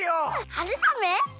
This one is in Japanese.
はるさめ？